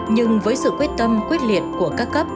nhưng với sự quyết tâm quyết liệt của các cấp